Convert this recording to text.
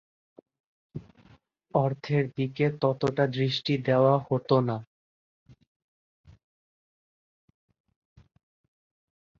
অর্থের দিকে ততটা দৃষ্টি দেয়া হতো না।